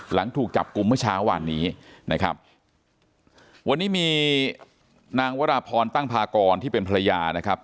หลังถูกจับกลุ่มเมื่อเช้าวานนี้นะครับวันนี้มีนางวราพรตั้งพากรที่เป็นภรรยานะครับ